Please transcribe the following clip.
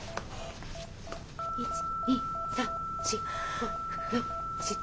１２３４５６７。